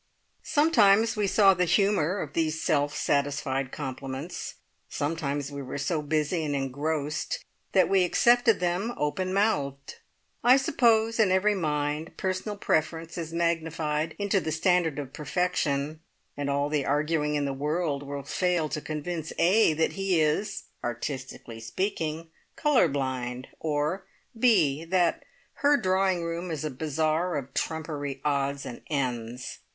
Sometimes we saw the humour of these self satisfied compliments, sometimes we were so busy and engrossed that we accepted them open mouthed. I suppose in every mind personal preference is magnified into the standard of perfection, and all the arguing in the world will fail to convince A that he is artistically speaking colour blind, or B that her drawing room is a bazaar of trumpery odds and ends!